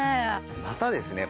またですね